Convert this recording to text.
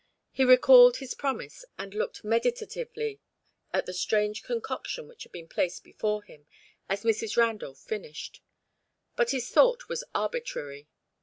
He recalled his promise, and looked meditatively at the strange concoction which had been placed before him as Mrs. Randolph finished. But his thought was arbitrary.